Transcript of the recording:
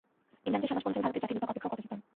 ইংলণ্ডের সমাজবন্ধন ভারতের জাতিবিভাগ অপেক্ষাও কঠোরতর।